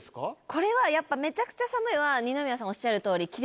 これはやっぱ「めちゃくちゃ寒い」は二宮さんおっしゃるとおり。